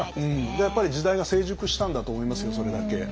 やっぱり時代が成熟したんだと思いますよそれだけ。